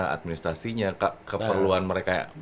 administrasinya keperluan mereka